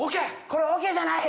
これ桶じゃない！